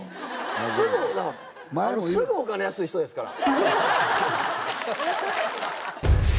すぐお金出す人ですから。